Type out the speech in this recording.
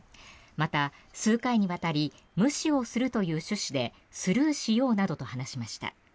また、数回にわたり無視をするという趣旨でスルーしようなどと話しました。